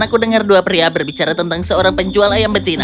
aku dengar dua pria berbicara tentang seorang penjual ayam betina